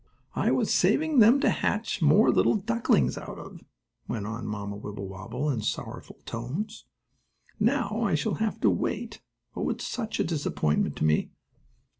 "I was saving them to hatch more little ducklings out of," went on Mamma Wibblewobble, in sorrowful tones. "Now I shall have to wait. Oh, it's such a disappointment to me!"